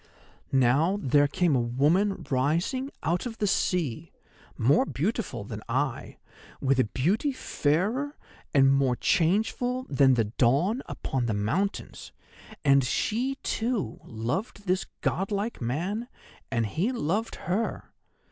Now there came a woman rising out of the sea, more beautiful than I, with a beauty fairer and more changeful than the dawn upon the mountains; and she, too, loved this godlike man, and he loved her.